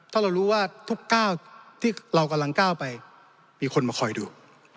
ถ้าเรารู้ว่าทุกก้าวที่เรากำลังก้าวไปมีคนมาคอยดู